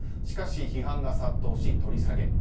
しかし、批判が殺到し取り下げ。